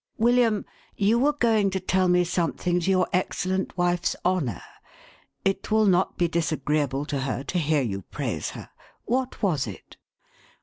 William, you were going to tell me something to your excellent wife's honour. It will not be disagreeable to her to hear you praise her. What was it